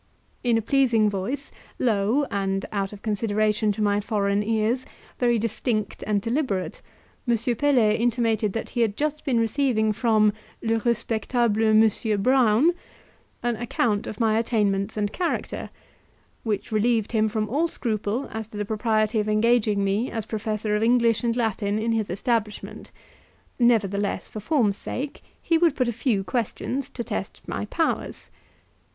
In a pleasing voice, low, and, out of consideration to my foreign ears, very distinct and deliberate, M. Pelet intimated that he had just been receiving from "le respectable M. Brown," an account of my attainments and character, which relieved him from all scruple as to the propriety of engaging me as professor of English and Latin in his establishment; nevertheless, for form's sake, he would put a few questions to test my powers.